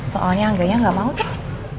soalnya angga ya gak mau tuh